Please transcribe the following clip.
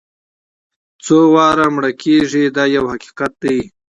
څو واره مړه کېږي دا یو حقیقت دی.